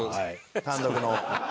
単独の。